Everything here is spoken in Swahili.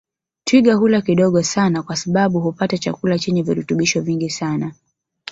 Twiga hula kidogo sana kwa sababu hupata chakula chenye virutubisho vingi sana